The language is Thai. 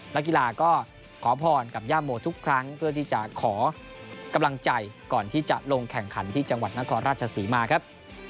นักกีฬาก็ขอพรกับย่าโมทุกครั้งเพื่อที่จะขอกำลังใจก่อนที่จะลงแข่งขันที่จังหวัดนครราชศรีมาครับ